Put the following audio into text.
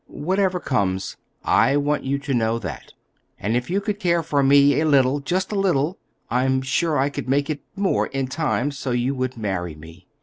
Whatever comes, I want you to know that. And if you could care for me a little—just a little, I'm sure I could make it more—in time, so you would marry me.